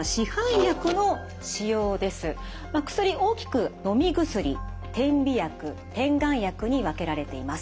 薬大きくのみ薬点鼻薬点眼薬に分けられています。